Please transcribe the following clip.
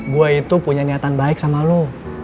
gue itu punya niatan baik sama lo